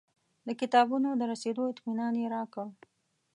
د کتابونو د رسېدو اطمنان یې راکړ.